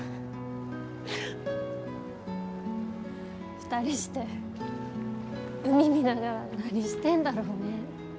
二人して海見ながら何してんだろうね。